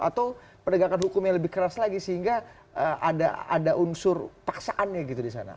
atau pendegakan hukumnya lebih keras lagi sehingga ada unsur paksaannya gitu di sana